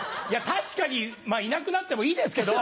確かにいなくなってもいいですけど。